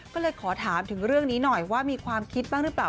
ก็เลยขอถามถึงเรื่องนี้หน่อยว่ามีความคิดบ้างหรือเปล่า